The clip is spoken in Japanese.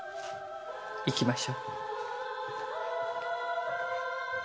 行きましょう。